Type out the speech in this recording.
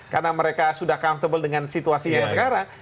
karena mereka sudah comfortable dengan situasi yang sekarang